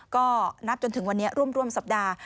ก็นับจนถึงวันนี้ร่วมสัปดาห์